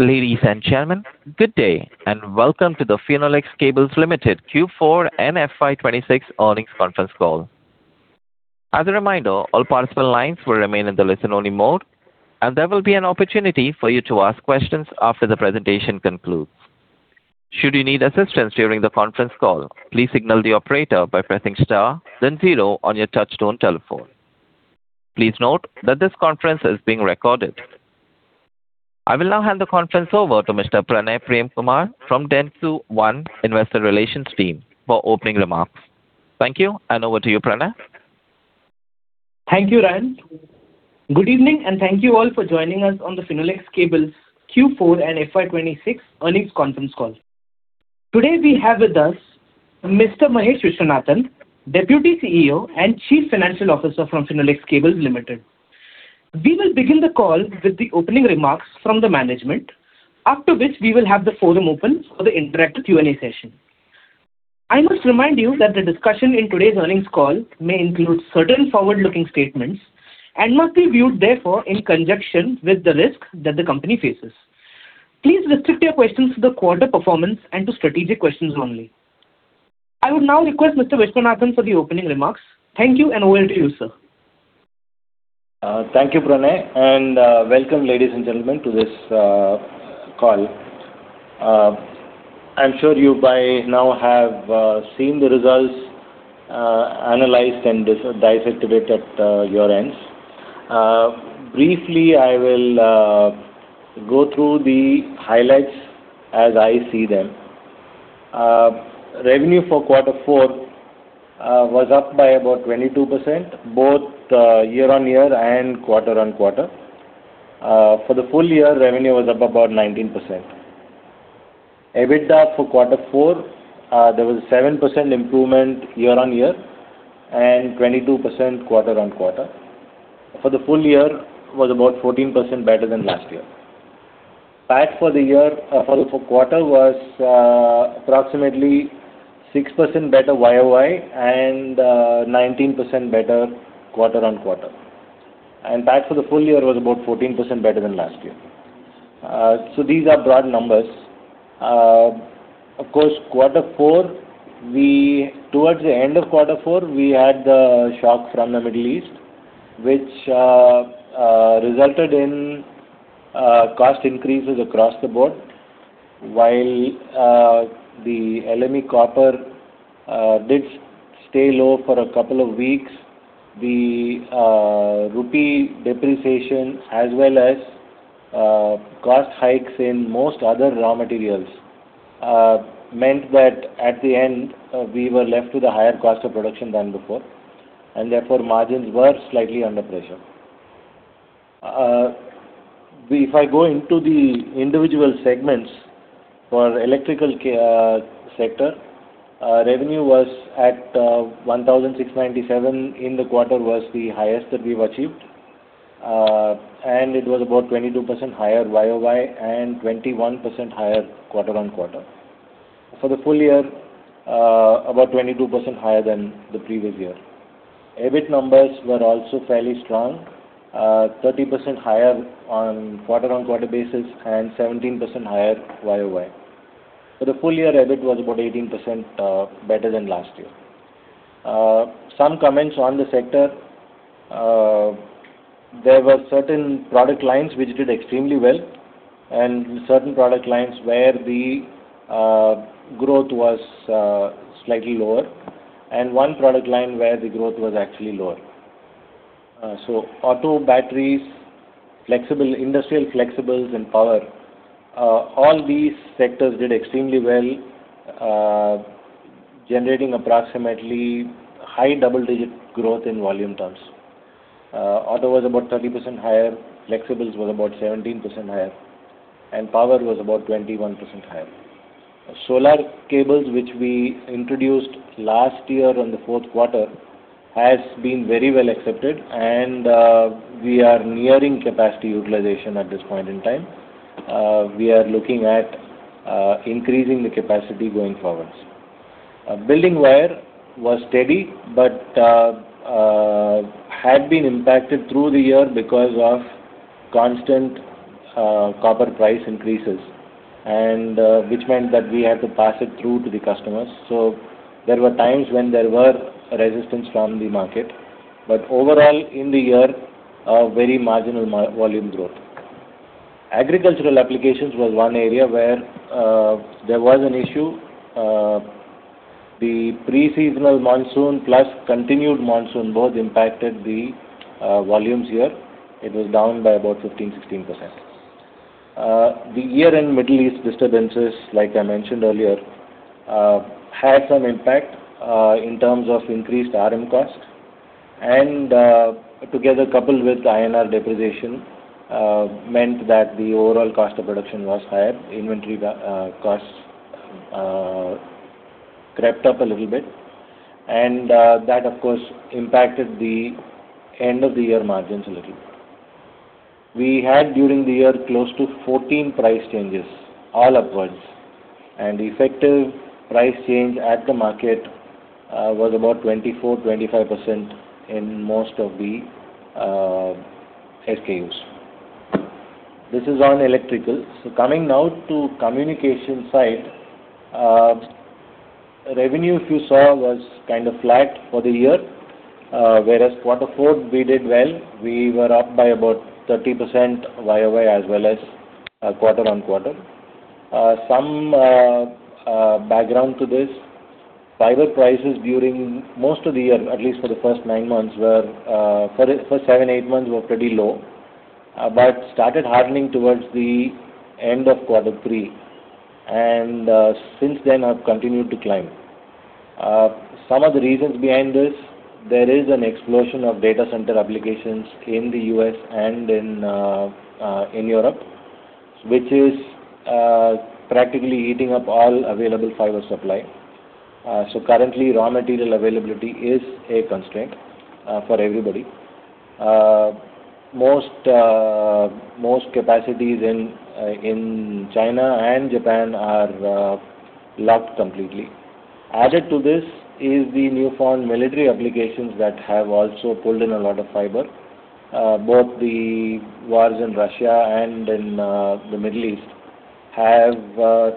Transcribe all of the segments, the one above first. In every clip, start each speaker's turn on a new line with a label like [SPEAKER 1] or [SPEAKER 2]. [SPEAKER 1] Ladies and gentlemen, good day and welcome to the Finolex Cables Limited Q4 and FY 2026 earnings conference call. As a reminder, all participant lines will remain in the listen-only mode, and there will be an opportunity for you to ask questions after the presentation concludes. Should you need assistance during the conference call, please signal the operator by pressing star then zero on your touch-tone telephone. Please note that this conference is being recorded. I will now hand the conference over to Mr. Pranay Premkumar from Dentsu One Investor Relations team for opening remarks. Thank you, and over to you, Pranay.
[SPEAKER 2] Thank you, Ryan. Good evening and thank you all for joining us on the Finolex Cables Q4 and FY 2026 earnings conference call. Today we have with us Mr. Mahesh Viswanathan, Deputy CEO and Chief Financial Officer from Finolex Cables Limited. We will begin the call with the opening remarks from the management, after which we will have the forum open for the interactive Q&A session. I must remind you that the discussion in today's earnings call may include certain forward-looking statements and must be viewed therefore in conjunction with the risk that the company faces. Please restrict your questions to the quarter performance and to strategic questions only. I would now request Mr. Viswanathan for the opening remarks. Thank you, and over to you, sir.
[SPEAKER 3] Thank you, Pranay, and welcome, ladies and gentlemen, to this call. I'm sure you, by now, have seen the results, analyzed, and dissected it at your end. Briefly, I will go through the highlights as I see them. Revenue for quarter four was up by about 22%, both year-on-year and quarter-on-quarter. For the full year, revenue was up about 19%. EBITDA for quarter four, there was 7% improvement year-on-year and 22% quarter-on-quarter. For the full year, it was about 14% better than last year. PAT for the quarter was approximately 6% better YoY and 19% better quarter-on-quarter. PAT for the full year was about 14% better than last year. These are broad numbers. Of course, quarter four, towards the end of quarter four, we had the shock from the Middle East, which resulted in cost increases across the board. While the LME copper did stay low for a couple of weeks, the rupee depreciation as well as cost hikes in most other raw materials meant that at the end, we were left with a higher cost of production than before, and therefore, margins were slightly under pressure. If I go into the individual segments, for electrical sector, revenue was at 1,697 in the quarter, was the highest that we've achieved, and it was about 22% higher YoY and 21% higher quarter-on-quarter. For the full year, about 22% higher than the previous year. EBIT numbers were also fairly strong, 30% higher on quarter-on-quarter basis and 17% higher YoY. For the full year, EBIT was about 18% better than last year. Some comments on the sector. There were certain product lines which did extremely well and certain product lines where the growth was slightly lower, and one product line where the growth was actually lower. Auto, batteries, industrial flexibles, and power, all these sectors did extremely well, generating approximately high double-digit growth in volume terms. Auto was about 30% higher, flexibles was about 17% higher, and power was about 21% higher. Solar cables, which we introduced last year in the fourth quarter, has been very well-accepted, and we are nearing capacity utilization at this point in time. We are looking at increasing the capacity going forward. Building wire was steady but had been impacted through the year because of constant copper price increases, which meant that we had to pass it through to the customers. There were times when there was resistance from the market, but overall, in the year, a very marginal volume growth. Agricultural applications was one area where there was an issue. The pre-seasonal monsoon plus continued monsoon both impacted the volumes here. It was down by about 15%, 16%. The year-end Middle East disturbances, like I mentioned earlier, had some impact in terms of increased RM cost, and together, coupled with INR depreciation, meant that the overall cost of production was higher. Inventory costs crept up a little bit, and that, of course, impacted the end-of-the-year margins a little bit. We had, during the year, close to 14 price changes, all upwards. The effective price change at the market was about 24%, 25% in most of the. This is on electrical. Coming now to communication side. Revenue, if you saw, was kind of flat for the year, whereas quarter four, we did well. We were up by about 30% YoY as well as quarter-on-quarter. Some background to this, fiber prices during most of the year, at least for the first nine months, for seven, eight months, were pretty low, but started hardening towards the end of quarter three, and since then, have continued to climb. Some of the reasons behind this, there is an explosion of data center applications in the U.S. and in Europe, which is practically eating up all available fiber supply. Currently, raw material availability is a constraint for everybody. Most capacities in China and Japan are locked completely. Added to this is the newfound military applications that have also pulled in a lot of fiber. Both the wars in Russia and in the Middle East have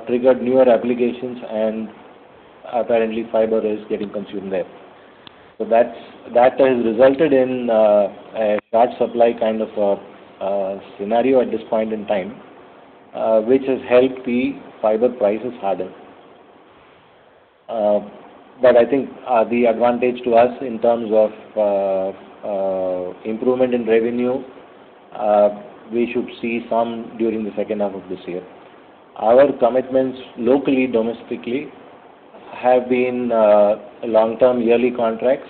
[SPEAKER 3] triggered newer applications, and apparently, fiber is getting consumed there. That has resulted in a short supply kind of a scenario at this point in time, which has helped the fiber prices harden. I think the advantage to us in terms of improvement in revenue, we should see some during the second half of this year. Our commitments locally, domestically, have been long-term yearly contracts,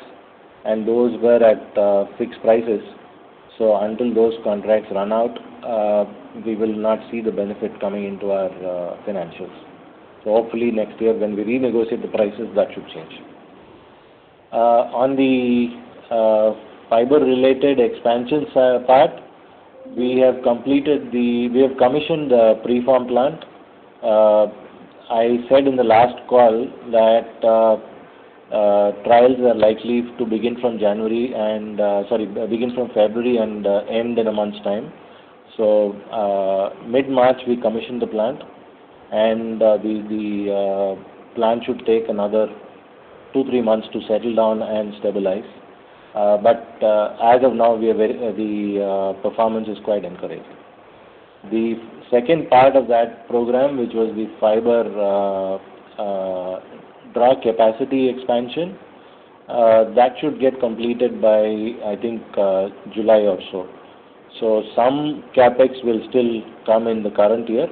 [SPEAKER 3] and those were at fixed prices. Until those contracts run out, we will not see the benefit coming into our financials. Hopefully next year, when we renegotiate the prices, that should change. On the fiber-related expansions part, we have commissioned the preform plant. I said in the last call that trials were likely to begin from February and end in a month's time. Mid-March, we commissioned the plant, and the plant should take another two, three months to settle down and stabilize. As of now, the performance is quite encouraging. The second part of that program, which was the fiber draw capacity expansion, that should get completed by, I think, July or so. Some CapEx will still come in the current year,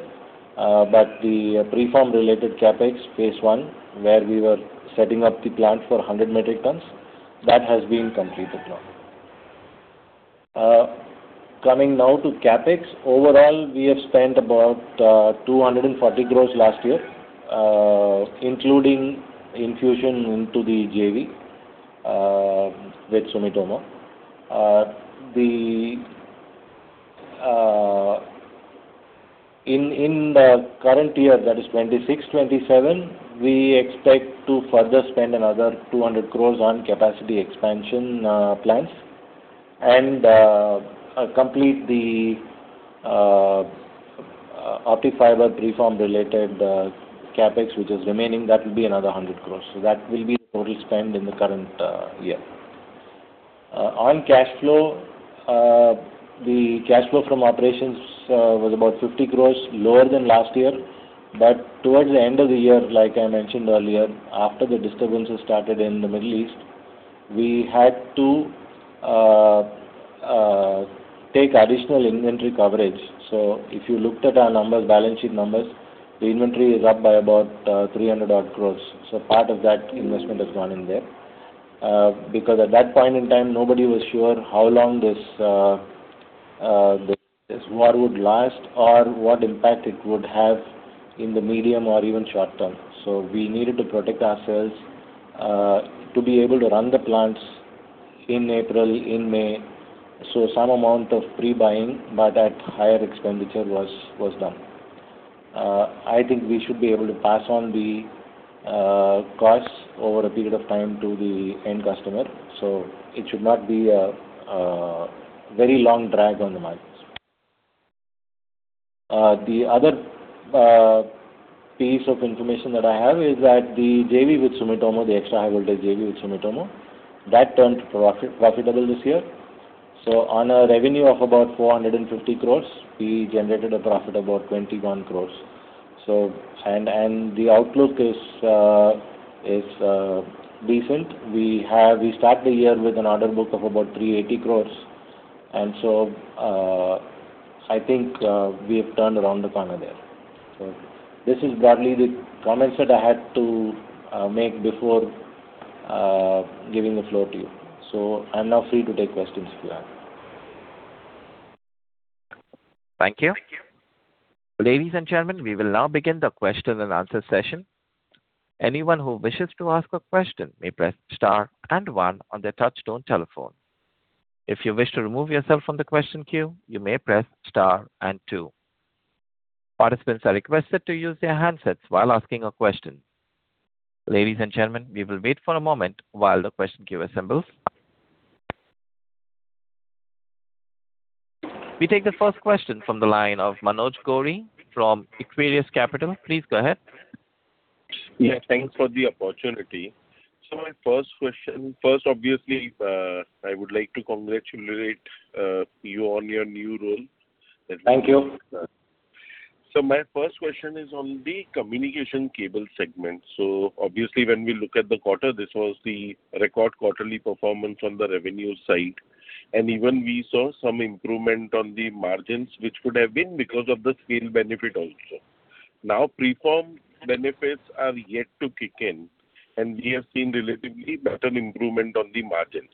[SPEAKER 3] but the preform-related CapEx Phase 1, where we were setting up the plant for 100 metric tons, that has been completed now. Coming now to CapEx. Overall, we have spent about 240 crore last year, including infusion into the JV with Sumitomo. In the current year, that is 2026-2027, we expect to further spend another 200 crore on capacity expansion plans and complete the optic fiber preform-related CapEx, which is remaining. That will be another 100 crore. That will be the total spend in the current year. On cash flow, the cash flow from operations was about 50 crore lower than last year, but towards the end of the year, like I mentioned earlier, after the disturbances started in the Middle East, we had to take additional inventory coverage. If you looked at our balance sheet numbers, the inventory is up by about 300-odd crore. Part of that investment has gone in there because at that point in time, nobody was sure how long this war would last or what impact it would have in the medium or even short term. We needed to protect ourselves to be able to run the plants in April, in May, so some amount of pre-buying, but at higher expenditure, was done. I think we should be able to pass on the costs over a period of time to the end customer, so it should not be a very long drag on the margins. The other piece of information that I have is that the JV with Sumitomo, the extra high voltage JV with Sumitomo, that turned profitable this year. On a revenue of about 450 crore, we generated a profit of about 21 crore. The outlook is decent. We start the year with an order book of about 380 crore, and so I think, we have turned around the corner there. This is broadly the comments that I had to make before giving the floor to you. I'm now free to take questions if you have.
[SPEAKER 1] Thank you. Ladies and gentlemen, we will now begin the question-and-answer session. Anyone who wishes to ask a question may press star and one on their touch-tone telephone. If you wish to remove yourself from the question queue, you may press star and two. Participants are requested to use their handsets while asking a question. Ladies and gentlemen, we will wait for a moment while the question queue assembles. We take the first question from the line of Manoj Gori from Equirus Capital. Please go ahead.
[SPEAKER 4] Yeah. Thanks for the opportunity. My first question, obviously, I would like to congratulate you on your new role.
[SPEAKER 3] Thank you.
[SPEAKER 4] My first question is on the communication cable segment. Obviously, when we look at the quarter, this was the record quarterly performance on the revenue side, and even we saw some improvement on the margins, which could have been because of the scale benefit also. Now, preform benefits are yet to kick in, and we have seen relatively better improvement on the margins.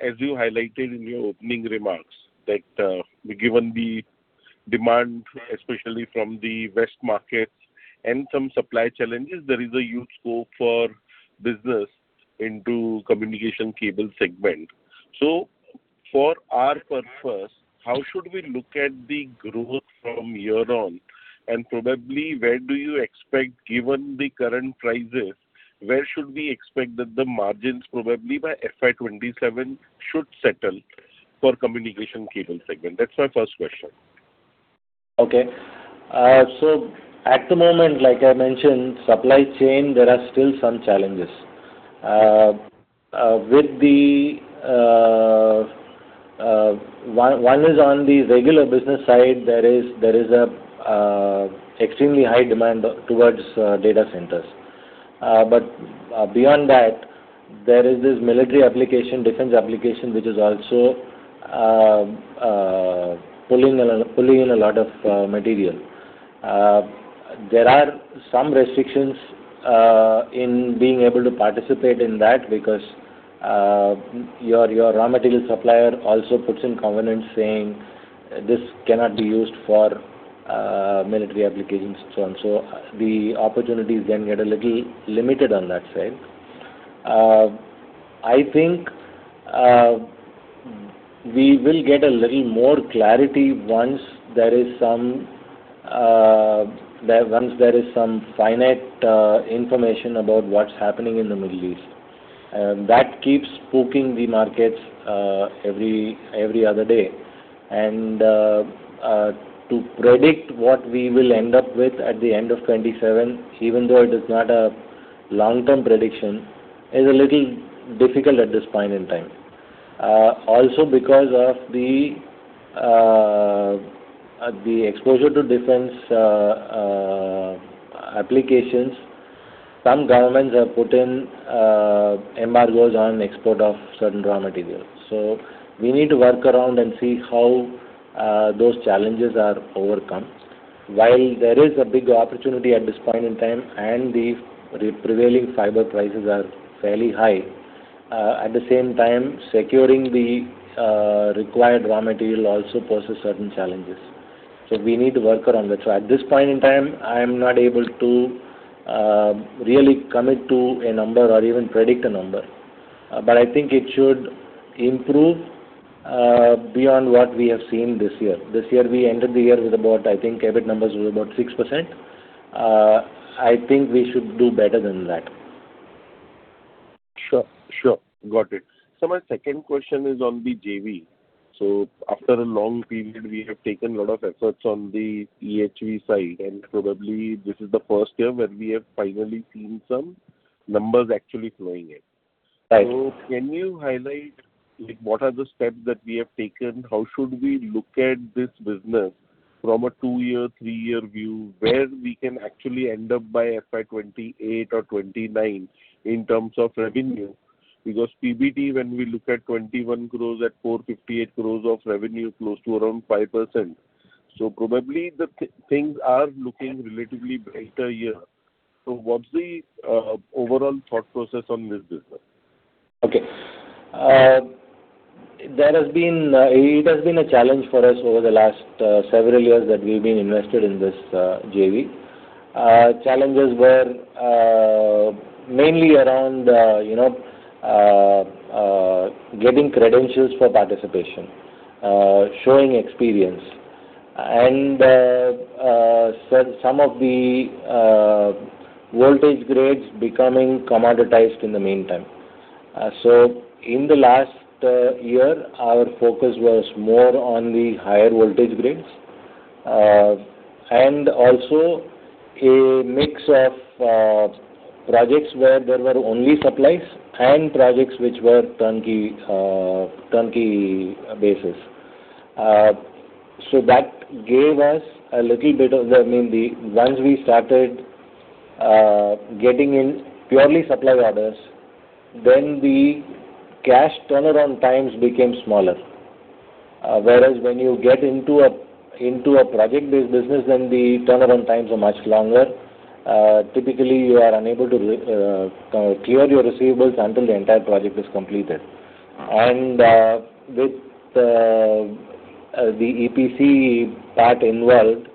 [SPEAKER 4] As you highlighted in your opening remarks, that given the demand, especially from the west markets and some supply challenges, there is a huge scope for business into communication cable segment. For our purpose, how should we look at the growth from here on, and probably where do you expect, given the current prices, where should we expect that the margins probably by FY 2027 should settle for communication cable segment? That's my first question.
[SPEAKER 3] Okay. At the moment, like I mentioned, supply chain, there are still some challenges. One is on the regular business side, there is extremely high demand towards data centers. Beyond that, there is this military application, defense application, which is also pulling in a lot of material. There are some restrictions in being able to participate in that because your raw material supplier also puts in covenants saying this cannot be used for military applications, so and so. The opportunities then get a little limited on that side. I think we will get a little more clarity once there is some finite information about what's happening in the Middle East. That keeps spooking the markets every other day. To predict what we will end up with at the end of 2027, even though it is not a long-term prediction, is a little difficult at this point in time. Also, because of the exposure to defense applications, some governments have put in embargoes on export of certain raw materials. We need to work around and see how those challenges are overcome. While there is a big opportunity at this point in time, and the prevailing fiber prices are fairly high, at the same time, securing the required raw material also poses certain challenges, so we need to work around it. At this point in time, I'm not able to really commit to a number or even predict a number. But I think it should improve beyond what we have seen this year. This year, we ended the year with about, I think, EBIT numbers were about 6%. I think we should do better than that.
[SPEAKER 4] Sure, sure. Got it. My second question is on the JV. After a long period, we have taken a lot of efforts on the EHV side, and probably, this is the first year where we have finally seen some numbers actually flowing in.
[SPEAKER 3] Right.
[SPEAKER 4] Can you highlight what are the steps that we have taken? How should we look at this business from a two-year, three-year view, where we can actually end up by FY 2028 or FY 2029 in terms of revenue? Because PBT, when we look at 21 crore at 458 crore of revenue, close to around 5%. Probably, the things are looking relatively brighter here. What's the overall thought process on this business?
[SPEAKER 3] Okay. It has been a challenge for us over the last several years that we've been invested in this JV. Challenges were mainly around getting credentials for participation, showing experience, and some of the voltage grades becoming commoditized in the meantime. In the last year, our focus was more on the higher voltage grades, and also a mix of projects where there were only supplies and projects which were turnkey basis. That gave us a little bit of the, once we started getting in purely supply orders, then the cash turnaround times became smaller. Whereas when you get into a project-based business, then the turnaround times are much longer. Typically, you are unable to clear your receivables until the entire project is completed. On the EPC part involved,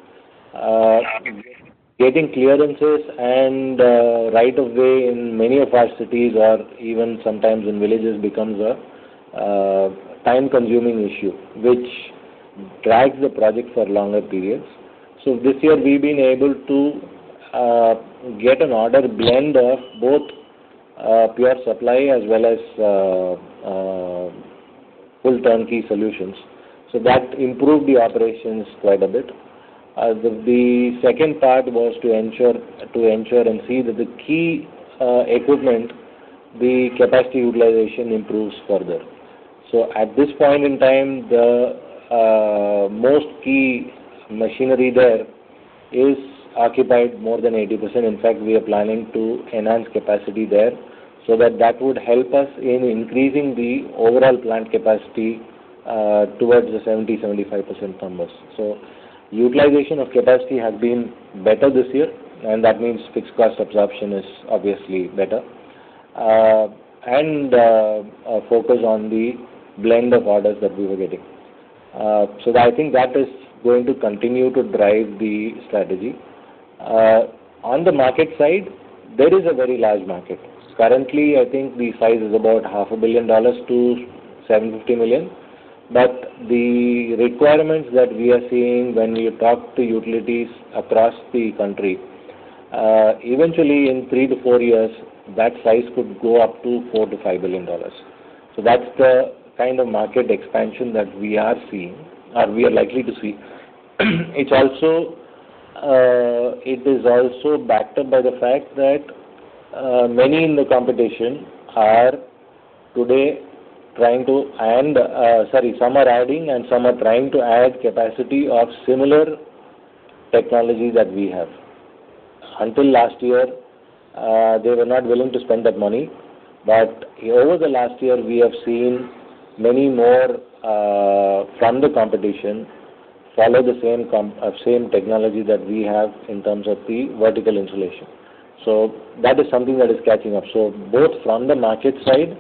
[SPEAKER 3] getting clearances and right of way in many of our cities or even sometimes in villages becomes a time-consuming issue, which drags the project for longer periods. This year, we've been able to get an order blend of both pure supply as well as full turnkey solutions, so that improved the operations quite a bit. The second part was to ensure and see that the key equipment, the capacity utilization improves further. At this point in time, the most key machinery there is occupied more than 80%. In fact, we are planning to enhance capacity there so that that would help us in increasing the overall plant capacity towards the 70%-75% promise. Utilization of capacity has been better this year and that means fixed cost absorption is, obviously, better and a focus on the blend of orders that we were getting. I think that is going to continue to drive the strategy. On the market side, there is a very large market. Currently, I think the size is about $500 million-$750 million, but the requirements that we are seeing when we talk to utilities across the country, eventually in three to four years, that size could go up to $4 billion-$5 billion. That's the kind of market expansion that we are seeing, or we are likely to see. It is also backed up by the fact that many in the competition are, today, some are adding and some are trying to add capacity of similar technology that we have. Until last year, they were not willing to spend that money, but over the last year, we have seen many more from the competition follow the same technology that we have in terms of the vertical insulation. That is something that is catching up. Both from the market side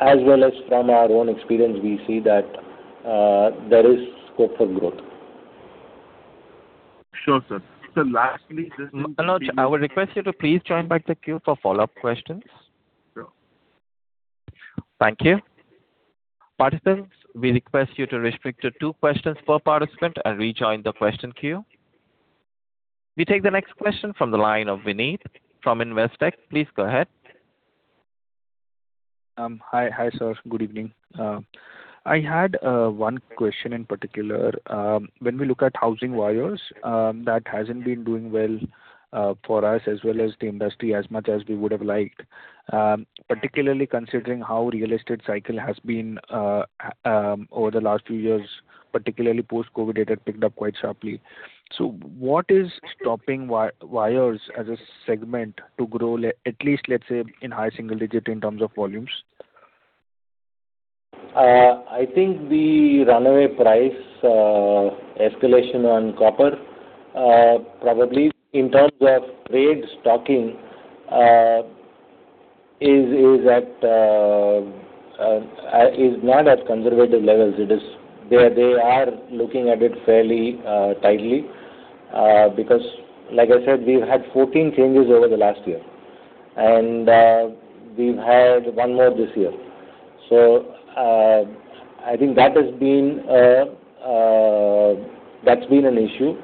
[SPEAKER 3] as well as from our own experience, we see that there is scope for growth.
[SPEAKER 4] Sure, sir.
[SPEAKER 1] Manoj, I would request you to please join back the queue for follow-up questions.
[SPEAKER 4] Sure.
[SPEAKER 1] Thank you. Participants, we request you to restrict to two questions per participant and rejoin the question queue. We take the next question from the line of Veenit from Investec. Please go ahead.
[SPEAKER 5] Hi, sir. Good evening. I had one question in particular. When we look at housing wires, that hasn't been doing well for us as well as the industry as much as we would have liked. Particularly considering how real estate cycle has been over the last few years, particularly post-COVID, it had picked up quite sharply. What is stopping wires as a segment to grow, at least let's say in high single digit in terms of volumes?
[SPEAKER 3] I think the runaway price escalation on copper, probably in terms of trade stocking, is not at conservative levels. They are looking at it fairly tightly because like I said, we've had 14 changes over the last year, and we've had one more this year. I think that's been an issue.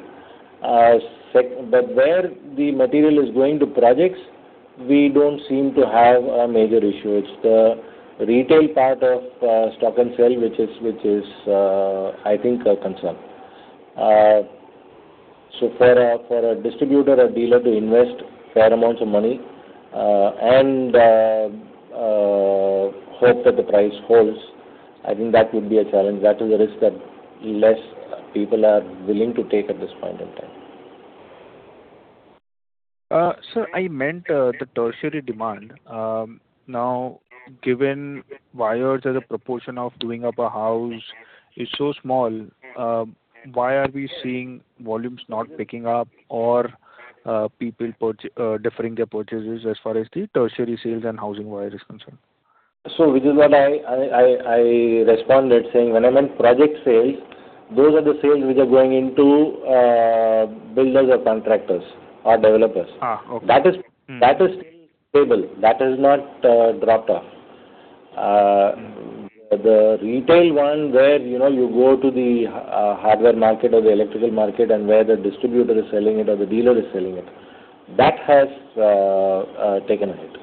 [SPEAKER 3] Where the material is going to projects, we don't seem to have a major issue. It's the retail part of stock and sell which is I think a concern. For a distributor or dealer to invest fair amounts of money and hope that the price holds, I think that would be a challenge. That is a risk that less people are willing to take at this point in time.
[SPEAKER 5] Sir, I meant the tertiary demand. Now, given wires as a proportion of doing up a house is so small, why are we seeing volumes not picking up or people deferring their purchases as far as the tertiary sales and housing wire is concerned?
[SPEAKER 3] Which is what I responded saying when I meant project sales, those are the sales which are going into builders or contractors or developers.
[SPEAKER 5] Okay.
[SPEAKER 3] That is still stable. That has not dropped off. The retail one where you go to the hardware market or the electrical market and where the distributor is selling it or the dealer is selling it, that has taken a hit.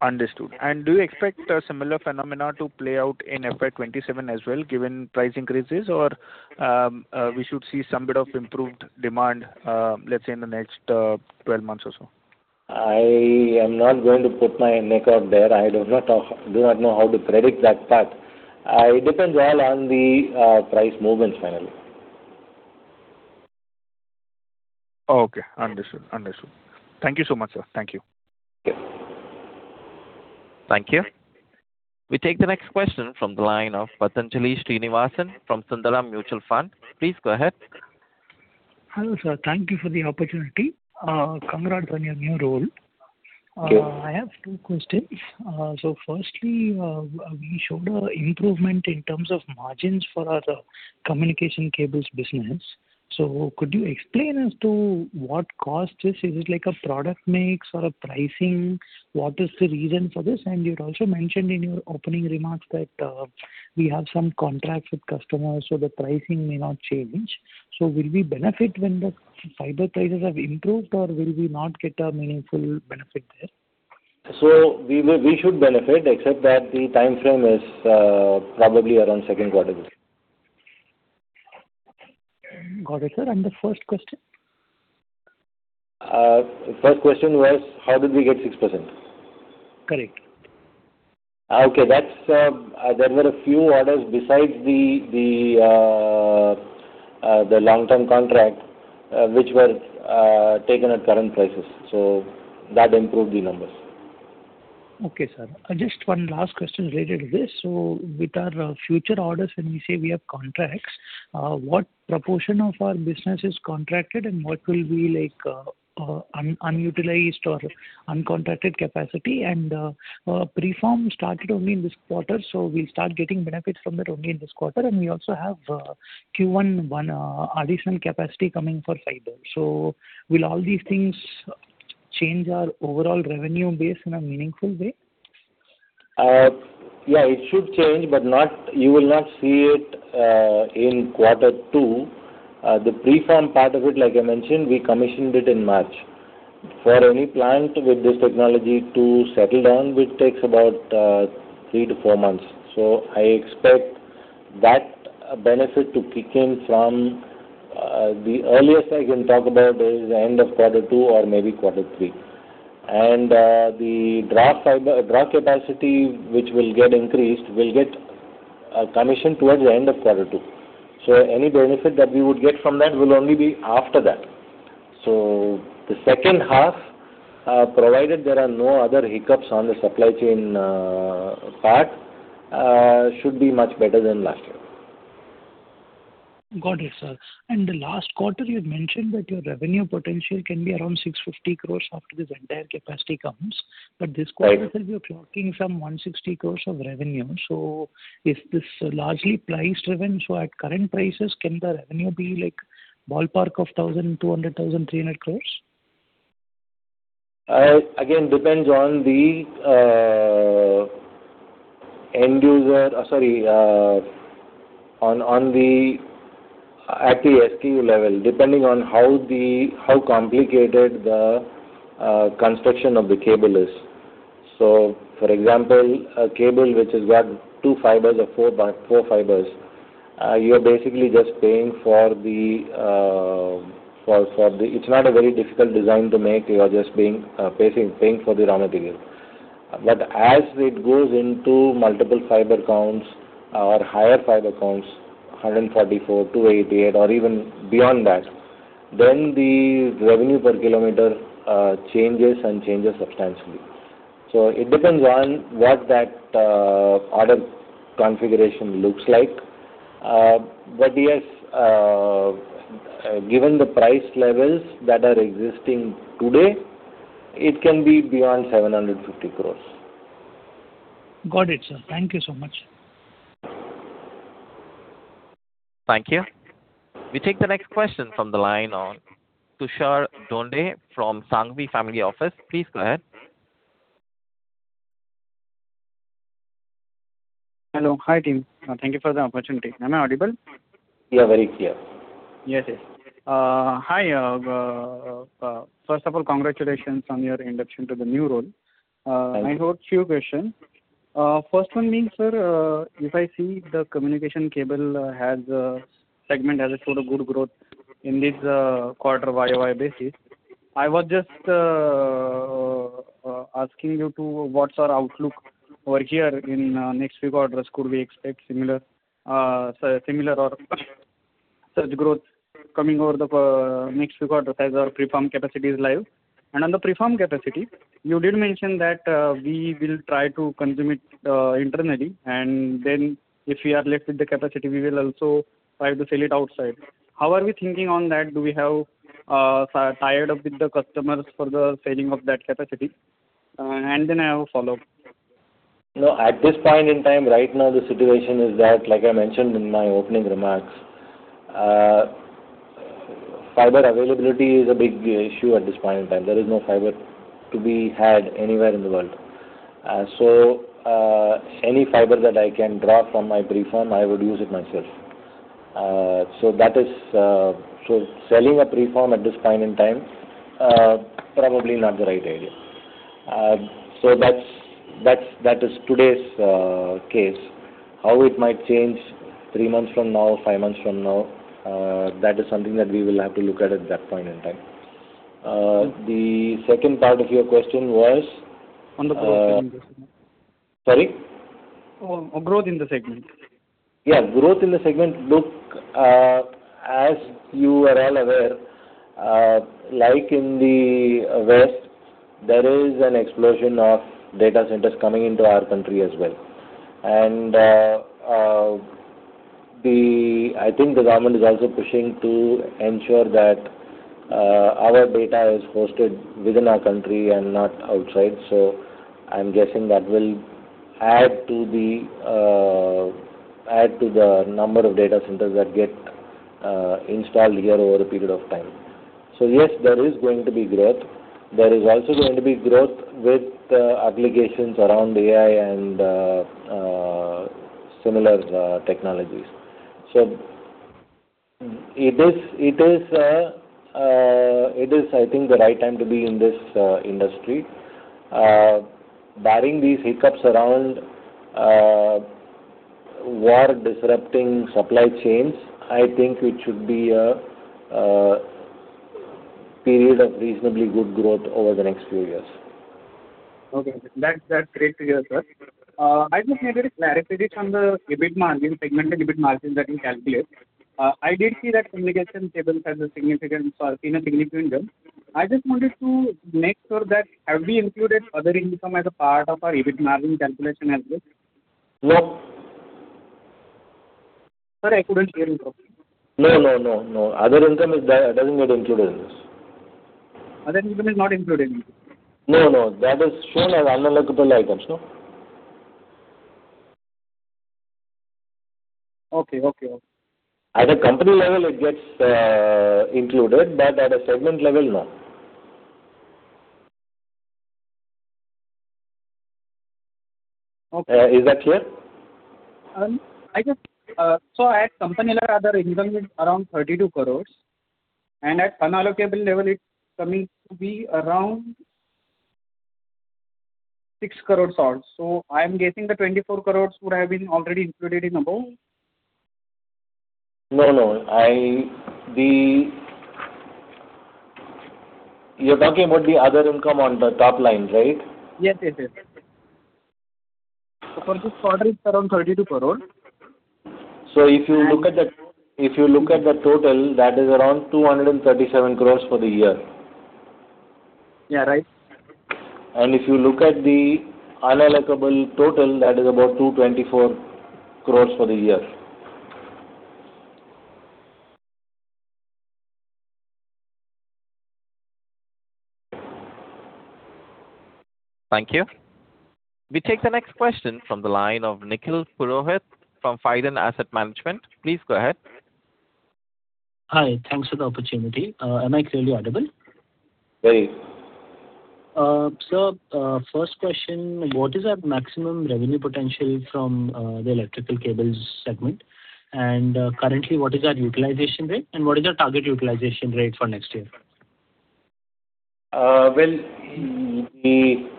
[SPEAKER 5] Understood. Do you expect a similar phenomenon to play out in FY 2027 as well given price increases or we should see some bit of improved demand, let's say, in the next 12 months or so?
[SPEAKER 3] I am not going to put my neck out there. I do not know how to predict that part. It depends all on the price movements, finally.
[SPEAKER 5] Okay. Understood, understood. Thank you so much, sir. Thank you.
[SPEAKER 3] Okay.
[SPEAKER 1] Thank you. We take the next question from the line of Pathanjali Srinivasan from Sundaram Mutual Fund. Please go ahead.
[SPEAKER 6] Hello, sir. Thank you for the opportunity. Congrats on your new role.
[SPEAKER 3] Thank you.
[SPEAKER 6] I have two questions. Firstly, we showed improvement in terms of margins for our communication cables business, so could you explain as to what caused this? Is it like a product mix or a pricing? What is the reason for this? You had also mentioned in your opening remarks that we have some contracts with customers, so the pricing may not change. Will we benefit when the fiber prices have improved, or will we not get a meaningful benefit there?
[SPEAKER 3] We should benefit, except that the timeframe is probably around second quarter.
[SPEAKER 6] Got it, sir. And the first question?
[SPEAKER 3] First question was how did we get 6%?
[SPEAKER 6] Correct.
[SPEAKER 3] There were a few orders besides the long-term contract which were taken at current prices, so that improved the numbers.
[SPEAKER 6] Okay, sir. Just one last question related to this. With our future orders, when we say we have contracts, what proportion of our business is contracted and what will be like unutilized or uncontracted capacity? And preform started only in this quarter, so we'll start getting benefits from that only in this quarter. We also have Q1 additional capacity coming for fiber. So, will all these things change our overall revenue base in a meaningful way?
[SPEAKER 3] Yeah, it should change, but you will not see it in quarter two. The preform part of it, like I mentioned, we commissioned it in March. For any plant with this technology to settle down, it takes about three to four months, so I expect that benefit to kick in from, the earliest I can talk about is end of quarter two or maybe quarter three. The draw fiber, draw capacity, which will get increased, will get commissioned towards the end of quarter two. Any benefit that we would get from that will only be after that. The second half, provided there are no other hiccups on the supply chain part, should be much better than last year.
[SPEAKER 6] Got it, sir. The last quarter, you had mentioned that your revenue potential can be around 650 crore after this entire capacity comes. But this quarter.
[SPEAKER 3] Right.
[SPEAKER 6] You're clocking some 160 crore of revenue. Is this largely price-driven? At current prices, can the revenue be like ballpark of 1,200 crore-1,300 crore?
[SPEAKER 3] Again, depends at the SKU level, depending on how complicated the construction of the cable is. For example, a cable which has got two fibers or four fibers, you're basically just paying for the, it's not a very difficult design to make, you are just paying for the raw material. As it goes into multiple fiber counts or higher fiber counts, 144, 288, or even beyond that, then the revenue per kilometer changes and changes substantially. It depends on what that order configuration looks like. Yes, given the price levels that are existing today, it can be beyond 750 crore.
[SPEAKER 6] Got it, sir. Thank you so much.
[SPEAKER 1] Thank you. We take the next question from the line on Tushar Dhonde from Shanghavi Family Office. Please go ahead.
[SPEAKER 7] Hello. Hi, team. Thank you for the opportunity. Am I audible?
[SPEAKER 3] You are very clear.
[SPEAKER 7] Yes, sir. Hi. First of all, congratulations on your induction to the new role.
[SPEAKER 3] Thank you.
[SPEAKER 7] I have a few questions. First one being, sir, if I see the communication cable segment has showed a good growth in this quarter YoY basis, I was just asking you to what's our outlook over here in next few quarters. Could we expect similar or such growth coming over the next few quarters as our preform capacity is live? On the preform capacity, you did mention that we will try to consume it internally, and then, if we are left with the capacity, we will also try to sell it outside. How are we thinking on that? Do we have tied up with the customers for the selling of that capacity? Then, I have a follow-up.
[SPEAKER 3] No. At this point in time, right now, the situation is that, like I mentioned in my opening remarks, fiber availability is a big issue at this point in time. There is no fiber to be had anywhere in the world. Any fiber that I can draw from my preform, I would use it myself. Selling a preform at this point in time, probably not the right idea. So, that is today's case. How it might change three months from now, five months from now, that is something that we will have to look at that point in time. The second part of your question was?
[SPEAKER 7] On the growth in the segment.
[SPEAKER 3] Sorry.
[SPEAKER 7] Growth in the segment.
[SPEAKER 3] Yeah, growth in the segment. Look, as you are all aware, like in the West, there is an explosion of data centers coming into our country as well. I think the government is also pushing to ensure that our data is hosted within our country and not outside, so I'm guessing that will add to the number of data centers that get installed here over a period of time. Yes, there is going to be growth. There is also going to be growth with applications around AI and similar technologies. It is, I think, the right time to be in this industry. Barring these hiccups around war disrupting supply chains, I think it should be a period of reasonably good growth over the next few years.
[SPEAKER 7] That's great to hear, sir. I just had a clarity from the EBIT margin, segmented EBIT margin that you calculate. I did see that communication cables has seen a significant jump. I just wanted to make sure that have we included other income as a part of our EBIT margin calculation as well?
[SPEAKER 3] No.
[SPEAKER 7] Sir, I couldn't hear you properly.
[SPEAKER 3] No, other income doesn't get included in this.
[SPEAKER 7] Other income is not included in this?
[SPEAKER 3] No, no. That is shown as unallocable items, no?
[SPEAKER 7] Okay, okay.
[SPEAKER 3] At a company level, it gets included, but at a segment level, no.
[SPEAKER 7] Okay.
[SPEAKER 3] Is that clear?
[SPEAKER 7] So, at company level, other income is around 32 crore, and at unallocable level, it's coming to be around 6 crore. I'm guessing the 24 crore would have been already included in above?
[SPEAKER 3] No, no. You're talking about the other income on the top line, right?
[SPEAKER 7] Yes, it is. For this quarter, it's around 32 crore.
[SPEAKER 3] If you look at the total, that is around 237 crore for the year.
[SPEAKER 7] Yeah, right.
[SPEAKER 3] If you look at the unallocable total, that is about 224 crore for the year.
[SPEAKER 1] Thank you. We take the next question from the line of Nikhil Purohit from Fident Asset Management. Please go ahead.
[SPEAKER 8] Hi. Thanks for the opportunity. Am I clearly audible?
[SPEAKER 3] Very.
[SPEAKER 8] Sir, first question, what is our maximum revenue potential from the electrical cables segment? Currently, what is our utilization rate and what is our target utilization rate for next year?
[SPEAKER 3] Well, we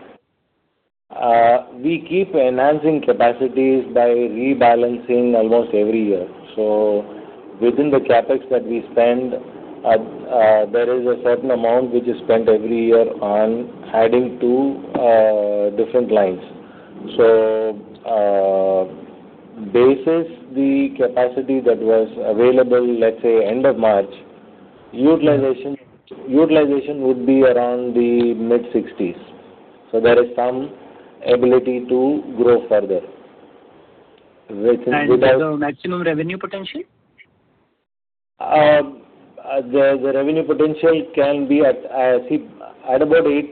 [SPEAKER 3] keep enhancing capacities by rebalancing almost every year. Within the CapEx that we spend, there is a certain amount which is spent every year on adding two different lines. Basis the capacity that was available, let's say end of March, utilization would be around the mid-60s. There is some ability to grow further.
[SPEAKER 8] The maximum revenue potential?
[SPEAKER 3] The revenue potential can be at about 80%-85%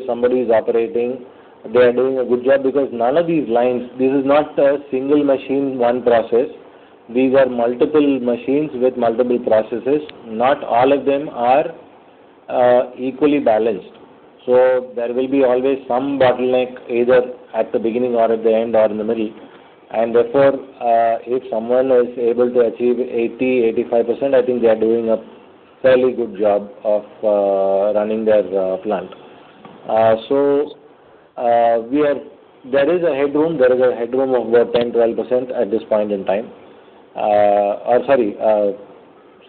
[SPEAKER 3] if somebody is operating, they are doing a good job because none of these lines, this is not a single machine, one process. These are multiple machines with multiple processes. Not all of them are equally balanced. There will be always some bottleneck, either at the beginning or at the end or in the middle. Therefore, if someone is able to achieve 80%-85%, I think they are doing a fairly good job of running their plant. There is a headroom of about 10%-12% at this point in time. Sorry,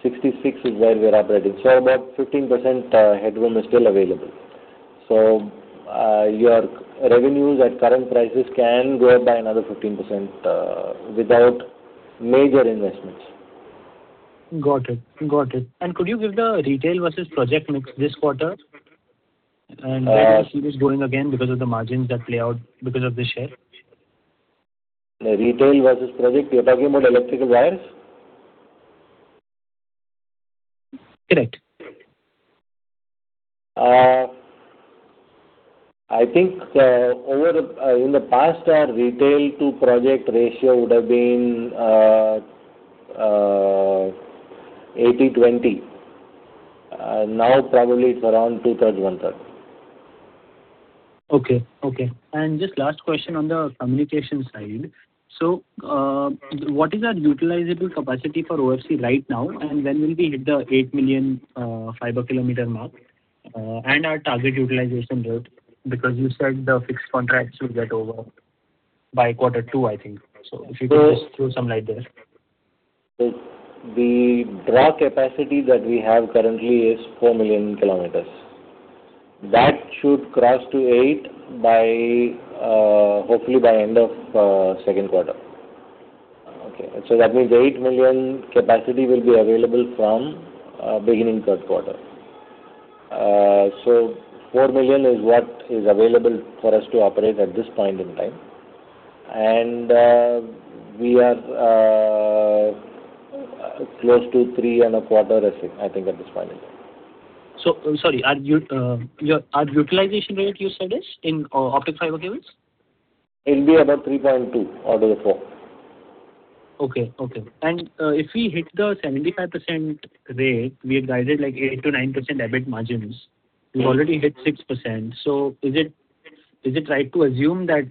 [SPEAKER 3] 66% is where we're operating, so about 15% headroom is still available. Your revenues at current prices can go up by another 15% without major investments.
[SPEAKER 8] Got it, got it. Could you give the retail versus project mix this quarter? Where do you see this going again because of the margins that play out because of the share?
[SPEAKER 3] The retail versus project, you're talking about electrical wires?
[SPEAKER 8] Correct.
[SPEAKER 3] I think in the past, our retail-to-project ratio would have been 80:20. Now, probably it's around 2/3:1/3.
[SPEAKER 8] Okay, okay. Just last question on the communication side. What is our utilizable capacity for OFC right now, and when will we hit the 8 million fiber-km mark, and our target utilization rate? Because you said the fixed contracts should get over by quarter two, I think. If you could just throw some light there.
[SPEAKER 3] The raw capacity that we have currently is 4 million km. That should cross to 8 million km by, hopefully, by end of second quarter.
[SPEAKER 8] Okay.
[SPEAKER 3] That means 8 million capacity will be available from beginning third quarter. 4 million is what is available for us to operate at this point in time, and we are close to 3.25 million, I think, at this point in time.
[SPEAKER 8] Sorry. Our utilization rate, you said is, in optic fiber cables?
[SPEAKER 3] It'll be about 3.2 million out of the 4 million.
[SPEAKER 8] Okay. If we hit the 75% rate, we had guided like 8%-9% EBIT margins, you already hit 6%, so is it right to assume that,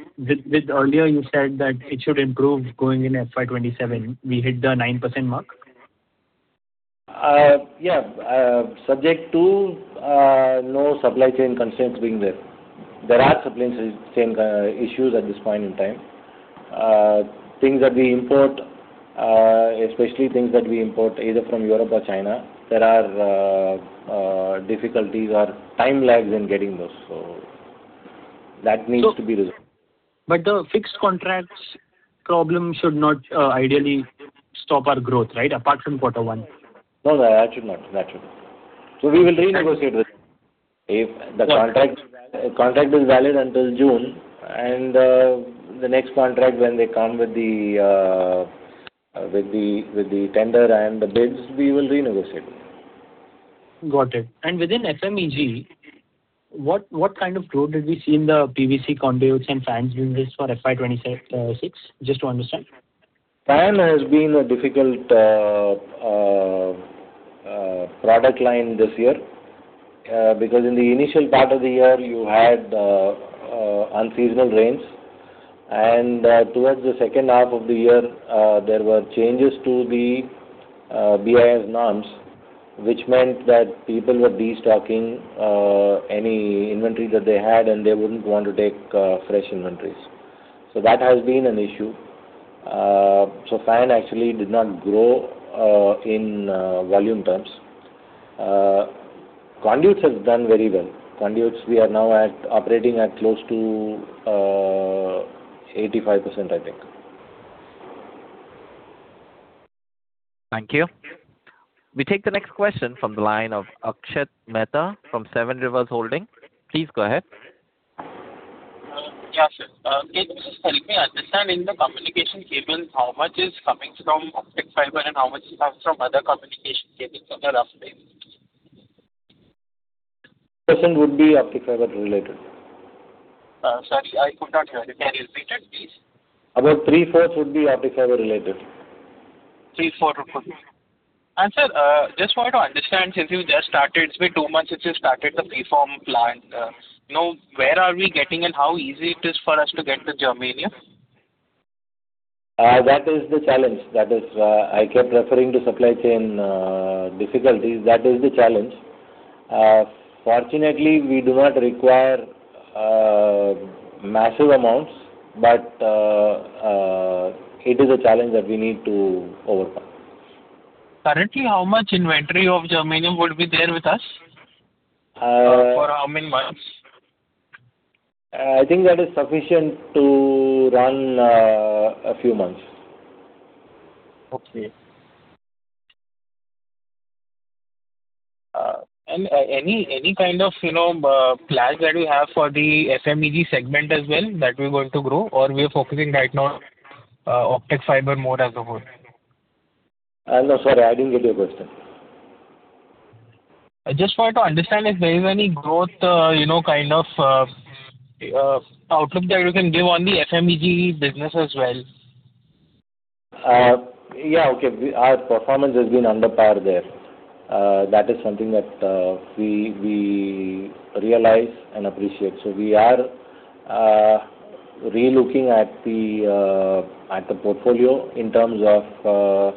[SPEAKER 8] earlier you said that it should improve going into FY 2027, we hit the 9% mark?
[SPEAKER 3] Yeah. Subject to no supply chain constraints being there. There are supply chain issues at this point in time. Things that we import, especially things that we import either from Europe or China, there are difficulties or time lags in getting those, so that needs to be resolved.
[SPEAKER 8] But the fixed contracts problem should not ideally stop our growth, right? Apart from quarter one.
[SPEAKER 3] No, that should not. We will renegotiate with, if the contract is valid until June, and the next contract, when they come with the tender and the bids, we will renegotiate.
[SPEAKER 8] Got it. Within FMEG, what kind of growth did we see in the PVC conduits and fans business for FY 2026, just to understand?
[SPEAKER 3] Fan has been a difficult product line this year, because in the initial part of the year, you had unseasonal rains, and towards the second half of the year, there were changes to the BIS norms, which meant that people were destocking any inventory that they had, and they wouldn't want to take fresh inventories. That has been an issue. Fan actually did not grow in volume terms. Conduits has done very well. Conduits, we are now operating at close to 85%, I think.
[SPEAKER 1] Thank you. We take the next question from the line of Akshat Mehta from Seven Rivers Holding. Please go ahead.
[SPEAKER 9] Yeah, sure. Can you just help me understand in the communication cables, how much is coming from optic fiber and how much is coming from other communication cables on a rough basis?
[SPEAKER 3] percent would be optic fiber-related.
[SPEAKER 9] Sorry, I could not hear it. Can you repeat it, please?
[SPEAKER 3] About 3/4 would be optic fiber-related.
[SPEAKER 9] 3/4, okay. Sir, just wanted to understand, since you just started, it's been two months since you started the preform plant, where are we getting and how easy it is for us to get the germanium?
[SPEAKER 3] That is the challenge. I kept referring to supply chain difficulties. That is the challenge. Fortunately, we do not require massive amounts, but it is a challenge that we need to overcome.
[SPEAKER 9] Currently, how much inventory of germanium would be there with us? For how many months?
[SPEAKER 3] I think that is sufficient to run a few months.
[SPEAKER 9] Okay. Any kind of plan that you have for the FMEG segment as well that we're going to grow, or we are focusing right now on optic fiber more as a whole?
[SPEAKER 3] No, sorry, I didn't get your question.
[SPEAKER 9] I just wanted to understand if there is any growth kind of outlook that you can give on the FMEG business as well.
[SPEAKER 3] Yeah, okay. Our performance has been under par there. That is something that we realize and appreciate. We are relooking at the portfolio in terms of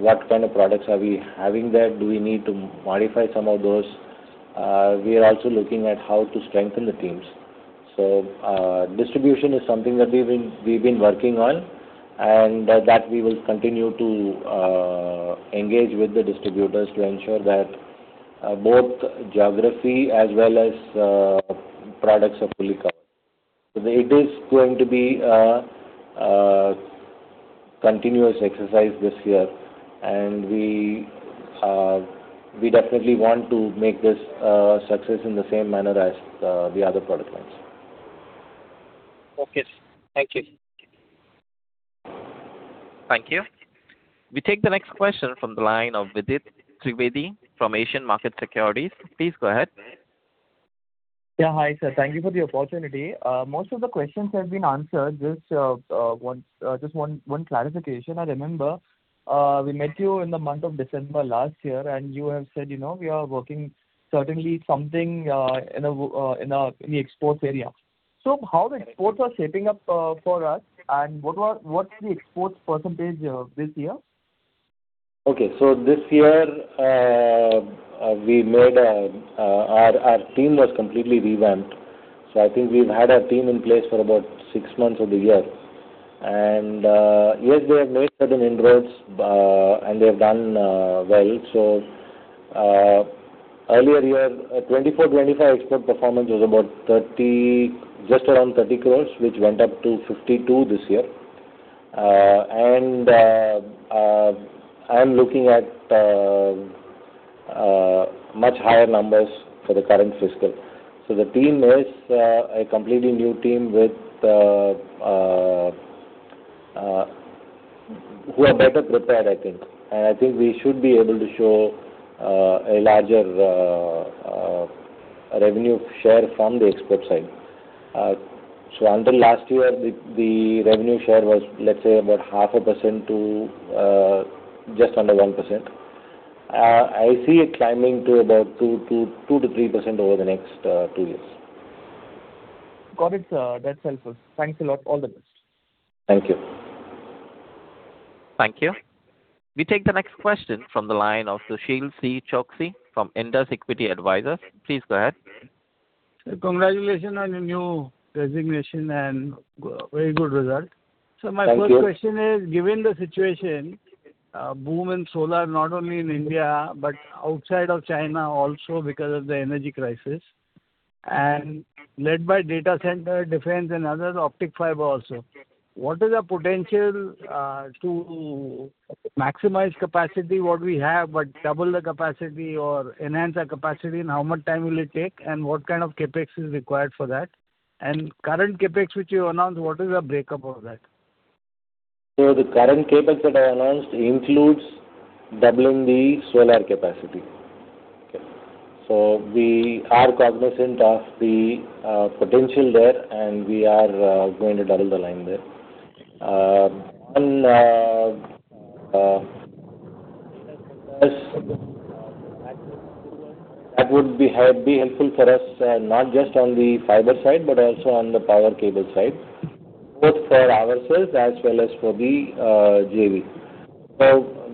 [SPEAKER 3] what kind of products are we having there, do we need to modify some of those. We are also looking at how to strengthen the teams. Distribution is something that we've been working on, and that we will continue to engage with the distributors to ensure that both geography as well as products are fully covered. It is going to be a continuous exercise this year, and we definitely want to make this a success in the same manner as the other product lines.
[SPEAKER 9] Okay. Thank you.
[SPEAKER 1] Thank you. We take the next question from the line of Vidit Trivedi from Asian Markets Securities. Please go ahead.
[SPEAKER 10] Yeah. Hi, sir. Thank you for the opportunity. Most of the questions have been answered. Just one clarification. I remember we met you in the month of December last year, and you have said, we are working certainly something in the exports area. How the exports are shaping up for us, and what is the exports percentage this year?
[SPEAKER 3] Okay. This year, our team was completely revamped. I think we've had our team in place for about six months of the year. Yes, they have made certain inroads, and they've done well. Earlier year, 2024-2025 export performance was about just around 30 crore, which went up to 52 crore this year. I'm looking at much higher numbers for the current fiscal. The team is a completely new team who are better prepared, I think. I think we should be able to show a larger revenue share from the export side. Until last year, the revenue share was, let's say, about 0.5% to just under 1%. I see it climbing to about 2%-3% over the next two years.
[SPEAKER 10] Got it, sir. That's helpful. Thanks a lot. All the best.
[SPEAKER 3] Thank you.
[SPEAKER 1] Thank you. We take the next question from the line of Sushil C. Choksey from Indus Equity Advisors. Please go ahead.
[SPEAKER 11] Sir, congratulations on your new designation and very good result.
[SPEAKER 3] Thank you.
[SPEAKER 11] My first question is, given the situation, boom in solar, not only in India but outside of China also because of the energy crisis, and led by data center, defense, and other optical fiber also, what is the potential to maximize capacity what we have, but double the capacity or enhance our capacity, and how much time will it take, and what kind of CapEx is required for that? And current CapEx, which you announced, what is the breakup of that?
[SPEAKER 3] The current CapEx that I announced includes doubling the solar capacity.
[SPEAKER 11] Okay.
[SPEAKER 3] We are cognizant of the potential there, and we are going to double the line there. that would be helpful for us, not just on the fiber side, but also on the power cable side, both for ourselves as well as for the JV.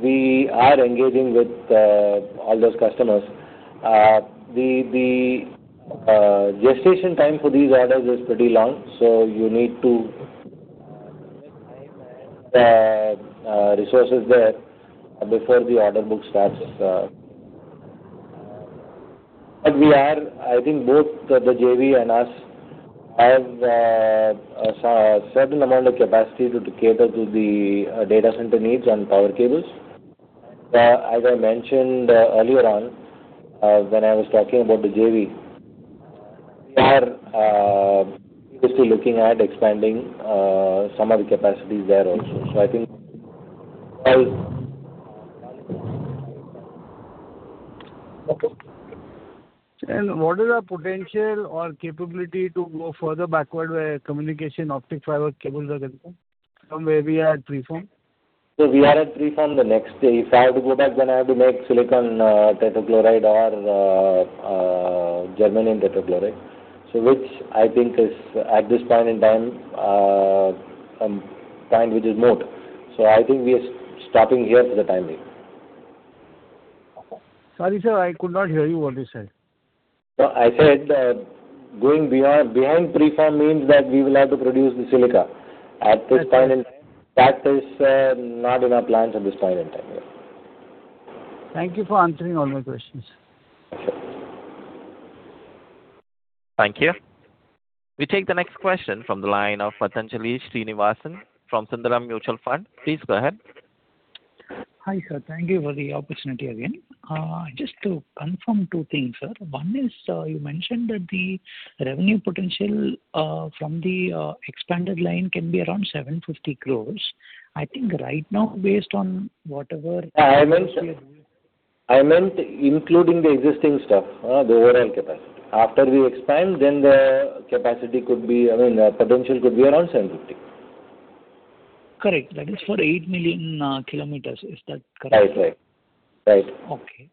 [SPEAKER 3] We are engaging with all those customers. The gestation time for these orders is pretty long, so you need to the resources there before the order book starts. I think both the JV and us have a certain amount of capacity to cater to the data center needs and power cables. As I mentioned earlier on, when I was talking about the JV, we are seriously looking at expanding some of the capacities there also, so.
[SPEAKER 11] Okay. What is our potential or capability to go further backward where communication optic fiber cables are concerned, from where we are at preform?
[SPEAKER 3] We are at preform. The next stage, if I have to go back, then I have to make silicon tetrachloride or germanium tetrachloride, which I think is, at this point in time, which is moot. I think we are stopping here for the time being.
[SPEAKER 11] Okay. Sorry, sir, I could not hear you. What you said?
[SPEAKER 3] No, I said that going beyond preform means that we will have to produce the silica. At this point in time, that is not in our plans at this point in time, yeah.
[SPEAKER 11] Thank you for answering all my questions.
[SPEAKER 3] Sure.
[SPEAKER 1] Thank you. We take the next question from the line of Pathanjali Srinivasan from Sundaram Mutual Fund. Please go ahead.
[SPEAKER 6] Hi, sir. Thank you for the opportunity again. Just to confirm two things, sir. One is, you mentioned that the revenue potential from the expanded line can be around 750 crore. I think, right now, based on.
[SPEAKER 3] I meant including the existing stuff, the overall capacity. After we expand, then the capacity could be, the potential could be around 750 crore.
[SPEAKER 6] Correct. That is for 8 million km, is that correct?
[SPEAKER 3] Right.
[SPEAKER 6] Okay.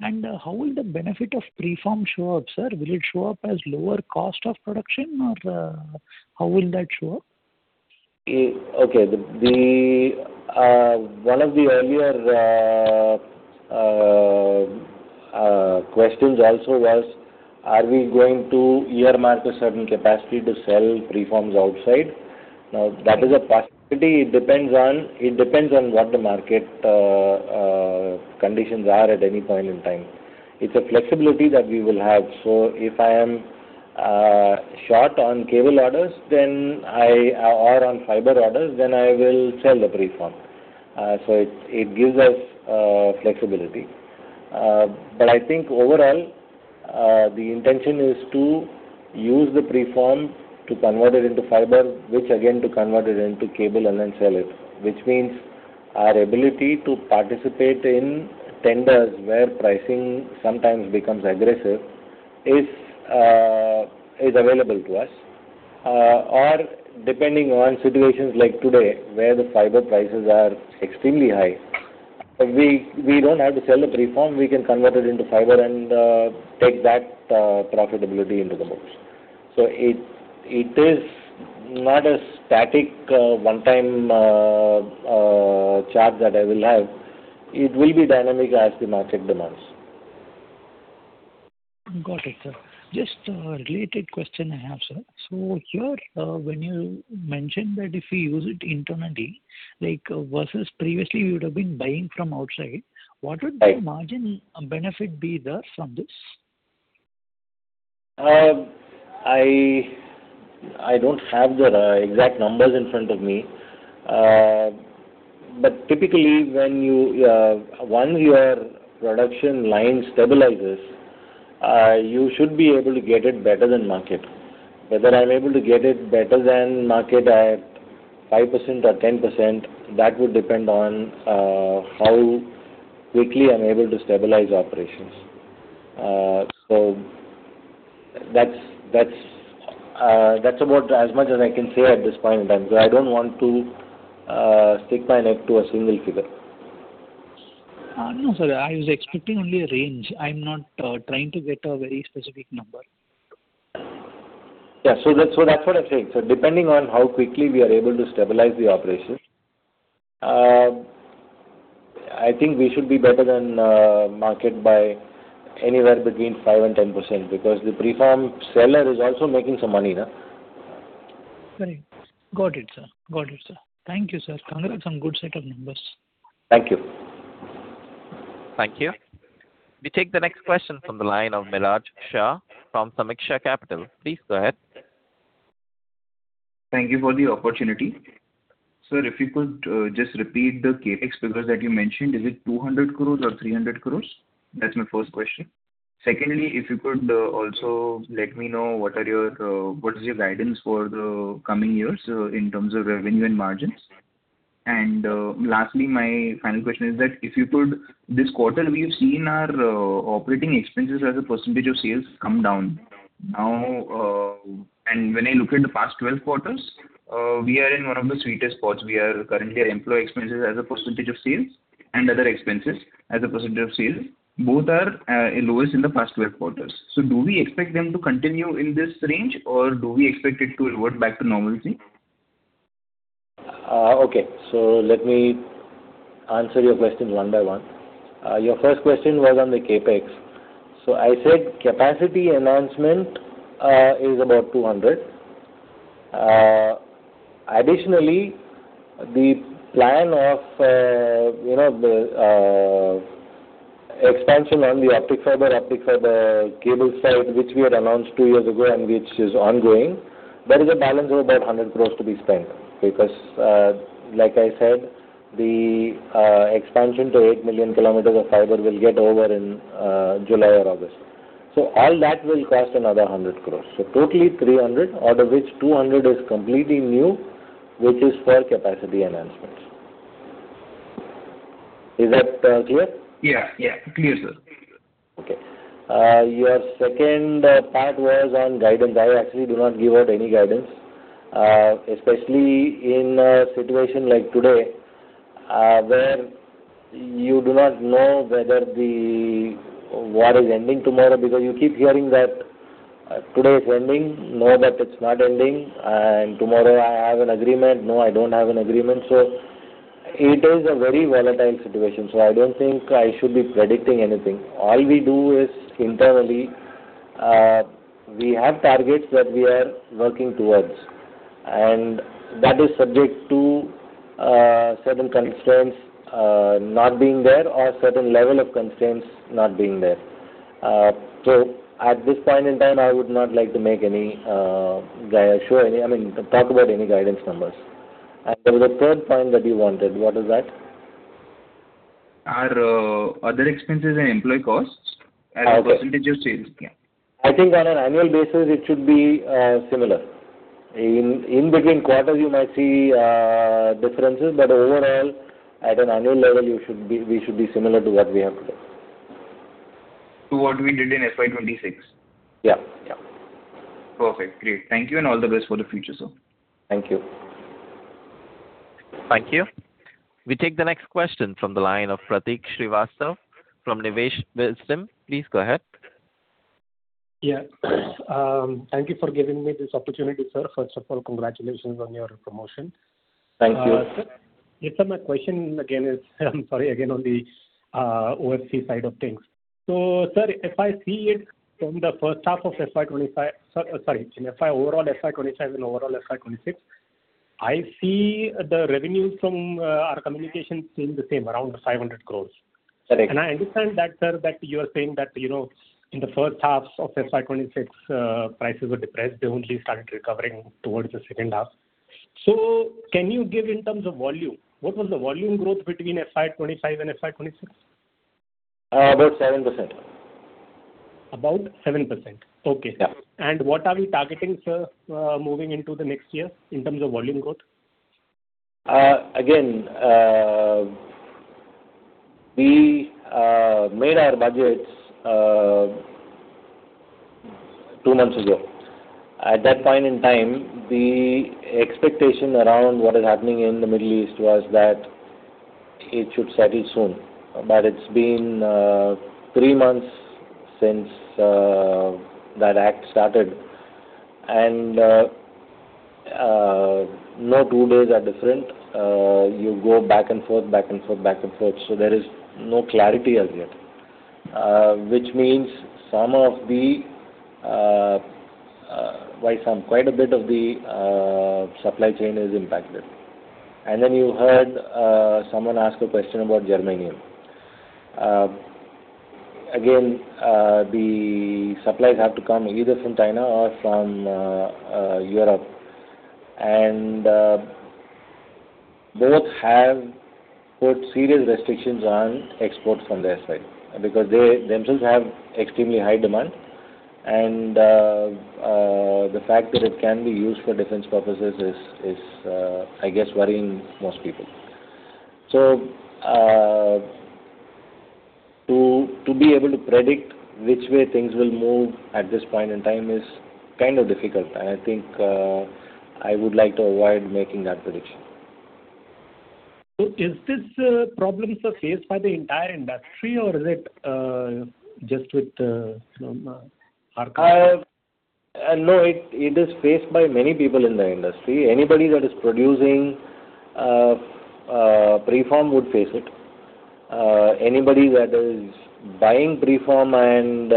[SPEAKER 6] How will the benefit of preform show up, sir? Will it show up as lower cost of production or how will that show up?
[SPEAKER 3] Okay. One of the earlier questions also was, are we going to earmark a certain capacity to sell preforms outside? That is a possibility. It depends on what the market conditions are at any point in time. It's a flexibility that we will have. If I am short on cable orders or on fiber orders, then I will sell the preform. It gives us flexibility. I think overall the intention is to use the preform to convert it into fiber, which again, to convert it into cable and then sell it, which means our ability to participate in tenders where pricing sometimes becomes aggressive is available to us. Depending on situations like today where the fiber prices are extremely high, we don't have to sell the preform. We can convert it into fiber and take that profitability into the books. It is not a static one-time chart that I will have. It will be dynamic as the market demands.
[SPEAKER 6] Got it, sir. Just a related question I have, sir. Here, when you mentioned that if we use it internally, versus previously we would have been buying from outside, what would the margin benefit be there from this?
[SPEAKER 3] I don't have the exact numbers in front of me. Typically, once your production line stabilizes, you should be able to get it better than market. Whether I'm able to get it better than market at 5% or 10%, that would depend on how quickly I'm able to stabilize operations. That's about as much as I can say at this point in time. I don't want to stick my neck to a single figure.
[SPEAKER 6] No, sir. I was expecting only a range. I am not trying to get a very specific number.
[SPEAKER 3] That's what I'm saying, sir. Depending on how quickly we are able to stabilize the operations, I think we should be better than market by anywhere between 5% and 10%, because the preform seller is also making some money.
[SPEAKER 6] Right. Got it, sir. Thank you, sir. Congrats on good set of numbers.
[SPEAKER 3] Thank you.
[SPEAKER 1] Thank you. We take the next question from the line of Miraj Shah from Sameeksha Capital. Please go ahead.
[SPEAKER 12] Thank you for the opportunity. Sir, if you could just repeat the CapEx figures that you mentioned. Is it 200 crore or 300 crore? That's my first question. Secondly, if you could also let me know what is your guidance for the coming years in terms of revenue and margins. Lastly, my final question is that, if you could, this quarter we have seen our operating expenses as a percentage of sales come down, and when I look at the past 12 quarters, we are in one of the sweetest spots. We are currently at employee expenses as a percentage of sales and other expenses as a percentage of sales. Both are lowest in the past 12 quarters. Do we expect them to continue in this range or do we expect it to revert back to normalcy?
[SPEAKER 3] Okay. Let me answer your questions one by one. Your first question was on the CapEx. I said capacity enhancement is about 200 crore. Additionally, the plan of the expansion on the optic fiber, optic fiber cable side, which we had announced two years ago and which is ongoing, there is a balance of about 100 crore to be spent. Like I said, the expansion to 8 million km of fiber will get over in July or August. All that will cost another 100 crore, so totally, 300 crore, out of which 200 crore is completely new, which is for capacity enhancements. Is that clear?
[SPEAKER 12] Yeah. Clear, sir.
[SPEAKER 3] Okay. Your second part was on guidance. I actually do not give out any guidance. Especially in a situation like today, where you do not know whether the war is ending tomorrow, because you keep hearing that today it's ending. No, that it's not ending. Tomorrow, I have an agreement. No, I don't have an agreement. It is a very volatile situation, so I don't think I should be predicting anything. All we do is, internally, we have targets that we are working towards, and that is subject to certain constraints not being there or certain level of constraints not being there. At this point in time, I would not like to make any, to talk about any guidance numbers. There was a third point that you wanted. What was that?
[SPEAKER 12] Our other expenses and employee costs as a percentage of sales.
[SPEAKER 3] I think on an annual basis, it should be similar. In between quarters, you might see differences, but overall, at an annual level, we should be similar to what we have today.
[SPEAKER 12] To what we did in FY 2026?
[SPEAKER 3] Yeah, yeah.
[SPEAKER 12] Perfect. Great. Thank you and all the best for the future, sir.
[SPEAKER 3] Thank you.
[SPEAKER 1] Thank you. We take the next question from the line of [Pratik Shrivasta] from [Nivesh Wisdom]. Please go ahead.
[SPEAKER 13] Yeah. Thank you for giving me this opportunity, sir. First of all, congratulations on your promotion.
[SPEAKER 3] Thank you.
[SPEAKER 13] Yeah, sir, my question, I'm sorry, again, on the OFC side of things. Sir, if I see it from the first half of overall FY 2025 and overall FY 2026, I see the revenue from our communication cables staying the same, around 500 crore.
[SPEAKER 3] Correct.
[SPEAKER 13] I understand that sir, that you are saying that in the first half of FY 2026, prices were depressed. They only started recovering towards the second half. Can you give, in terms of volume, what was the volume growth between FY 2025 and FY 2026?
[SPEAKER 3] About 7%.
[SPEAKER 13] About 7%? Okay.
[SPEAKER 3] Yeah.
[SPEAKER 13] What are we targeting, sir, moving into the next year in terms of volume growth?
[SPEAKER 3] Again, we made our budgets two months ago. At that point in time, the expectation around what is happening in the Middle East was that it should settle soon. It's been three months since that act started, and no two days are different. You go back and forth, back and forth, back and forth. There is no clarity as yet, which means quite a bit of the supply chain is impacted. Then you heard someone ask a question about germanium. Again, the supplies have to come either from China or from Europe, and both have put serious restrictions on exports from their side because they themselves have extremely high demand, and the fact that it can be used for defense purposes is, I guess, worrying most people. To be able to predict which way things will move at this point in time is kind of difficult, and I think I would like to avoid making that prediction.
[SPEAKER 13] Is this problem, sir, faced by the entire industry, or is it just with Finolex?
[SPEAKER 3] No, it is faced by many people in the industry. Anybody that is producing preform would face it. Anybody that is buying preform and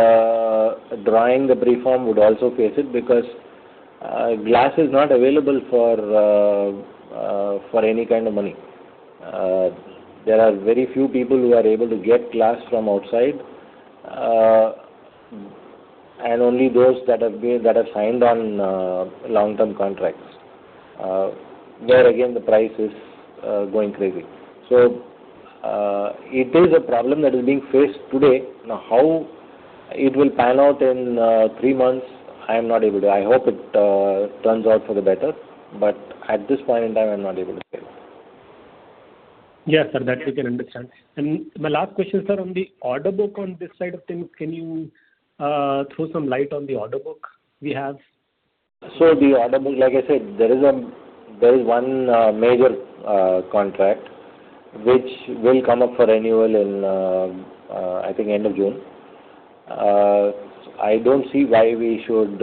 [SPEAKER 3] drawing the preform would also face it because glass is not available for any kind of money. There are very few people who are able to get glass from outside, and only those that have signed on long-term contracts, where, again, the price is going crazy. It is a problem that is being faced today. Now, how it will pan out in three months, I hope it turns out for the better, but at this point in time, I'm not able to say.
[SPEAKER 13] Yes, sir. That we can understand. My last question, sir, on the order book on this side of things, can you throw some light on the order book we have?
[SPEAKER 3] The order book, like I said, there is one major contract which will come up for renewal in, I think, end of June. I don't see why we should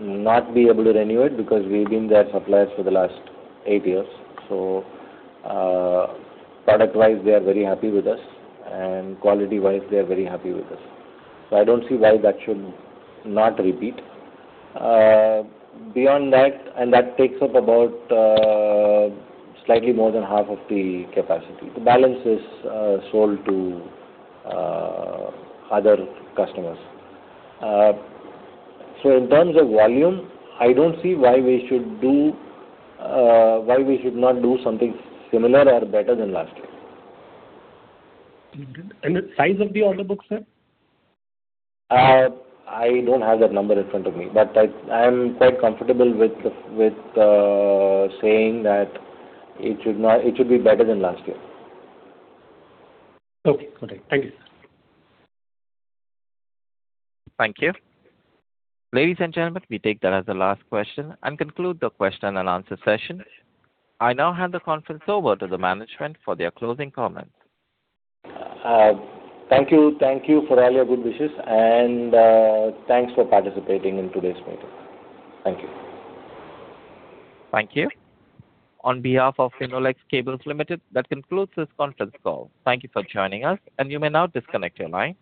[SPEAKER 3] not be able to renew it because we've been their suppliers for the last eight years. Product-wise, they are very happy with us, and quality-wise, they are very happy with us. I don't see why that should not repeat. Beyond that, and that takes up about slightly more than half of the capacity. The balance is sold to other customers. In terms of volume, I don't see why we should not do something similar or better than last year.
[SPEAKER 13] The size of the order book, sir?
[SPEAKER 3] I don't have that number in front of me, but I am quite comfortable with saying that it should be better than last year.
[SPEAKER 13] Okay. Got it. Thank you, sir.
[SPEAKER 1] Thank you. Ladies and gentlemen, we take that as the last question and conclude the question-and-answer session. I now hand the conference over to the management for their closing comments.
[SPEAKER 3] Thank you. Thank you for all your good wishes, and thanks for participating in today's meeting. Thank you.
[SPEAKER 1] Thank you. On behalf of Finolex Cables Limited, that concludes this conference call. Thank you for joining us, and you may now disconnect your line.